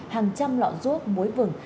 hàng trăm lọ ruốc mối vừng